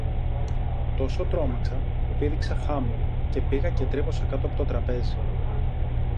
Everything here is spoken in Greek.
Τόσο τρόμαξα, που πήδηξα χάμω, και πήγα και τρύπωσα κάτω από το τραπέζι